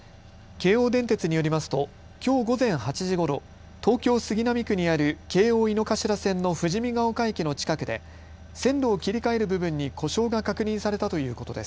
京王電鉄によりますときょう午前８時ごろ東京杉並区にある京王井の頭線の富士見ヶ丘駅の近くで線路を切り替える部分に故障が確認されたということです。